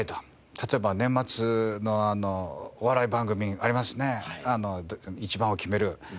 例えば年末のお笑い番組ありますね一番を決める。